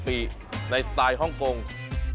ไม่รอชาติเดี๋ยวเราลงไปพิสูจน์ความอร่อยกันครับ